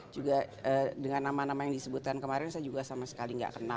juga dengan nama nama yang disebutkan kemarin saya juga sama sekali nggak kenal